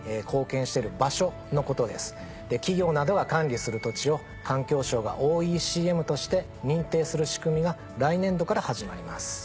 企業などが管理する土地を環境省がＯＥＣＭとして認定する仕組みが来年度から始まります。